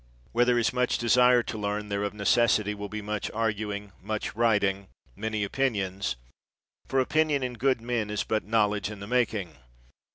Where there is much desire to learn, there of necessity will be much arguing, much writing, many opinions; for opinion in good men is but knowledge in the making.